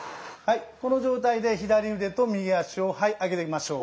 この状態で左腕と右脚を上げていきましょう。